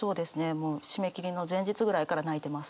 もう締め切りの前日ぐらいから泣いてます。